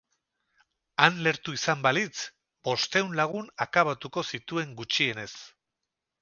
Han lehertu izan balitz, bostehun lagun akabatuko zituen gutxienez.